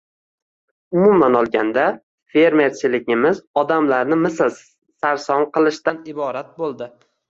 Umuman olganda, «fermer»chiligimiz odamlarni mislsiz sarson qilishdan iborat bo‘ldi.